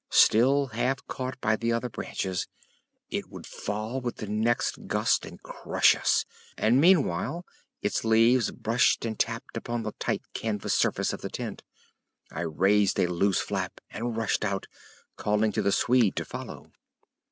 Still half caught by the other branches, it would fall with the next gust and crush us, and meanwhile its leaves brushed and tapped upon the tight canvas surface of the tent. I raised a loose flap and rushed out, calling to the Swede to follow.